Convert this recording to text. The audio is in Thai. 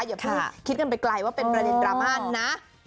อย่าเพิ่งคิดกันไปไกลว่าเป็นประเด็นดราม่านะ